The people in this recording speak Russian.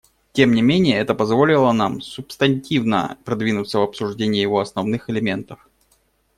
Тем не менее это позволило нам субстантивно продвинуться в обсуждении его основных элементов.